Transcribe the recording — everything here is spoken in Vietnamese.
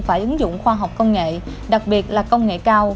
về việc là công nghệ cao